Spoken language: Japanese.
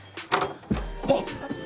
あっ！